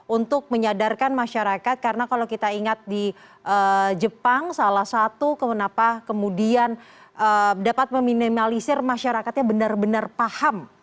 untuk menyadarkan masyarakat karena kalau kita ingat di jepang salah satu kemudian dapat meminimalisir masyarakatnya benar benar paham